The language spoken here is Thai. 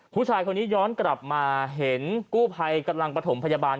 ผู้ชายคนนี้ย้อนกลับมาเห็นกู้ภัยกำลังประถมพยาบาล